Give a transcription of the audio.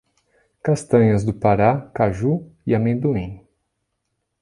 Castanhas do Pará, Caju e amendoim